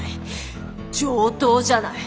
上等じゃない。